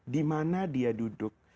di mana dia duduk